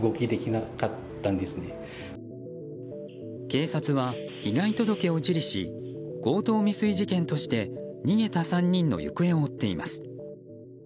警察は被害届を受理し強盗未遂事件として逃げた３人の行方を追っています。